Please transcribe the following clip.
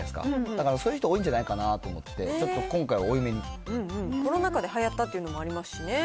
だからそういう人多いんじゃないかなと思って、ちコロナ禍ではやったというのもありますしね。